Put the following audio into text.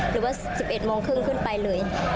หรือว่า๑๑โมงครึ่งขึ้นไปเลย